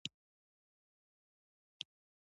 پسه هرکال زېږوي.